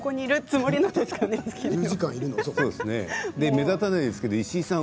目立たないけど石井さん